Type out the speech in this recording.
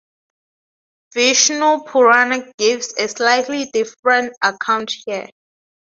Vishnu Purana gives a slightly different account here.